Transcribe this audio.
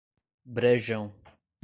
Brejão